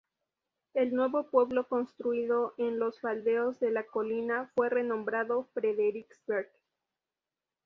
El nuevo pueblo construido en los faldeos de la colina fue renombrado Frederiksberg.